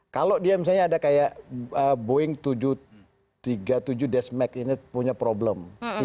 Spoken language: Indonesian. kalau dia misalnya ada kayak boeing tujuh ratus tiga puluh tujuh desmac ini punya problem